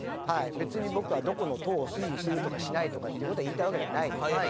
別に僕はどこの党を支持するとかしないとかっていう事を言いたいわけではないです。